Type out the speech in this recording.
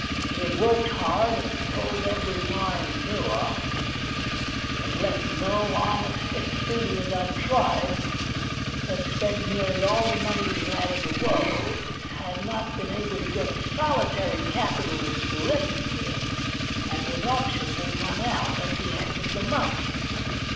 He had worked hard, had pulled every wire he knew of, had left no honest expedient untried, had spent nearly all the money he had in the world, had not been able to get a solitary capitalist to listen to him, and his option would run out at the end of the month.